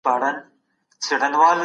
د جګړي پر مهال ډېر خلک بي کاره سول.